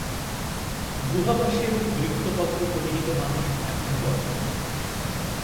গুহাবাসী এবং বৃক্ষপত্র-পরিহিত মানুষ এখনও বর্তমান।